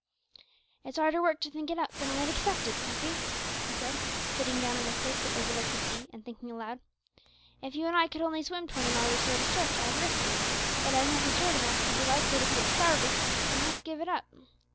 "It's harder work to think it out than I had expected, Cuffy," he said, sitting down on a cliff that overlooked the sea, and thinking aloud. "If you and I could only swim twenty miles or so at a stretch, I'd risk it; but, as nothin' short o' that would be likely to be of sarvice, we must give it up.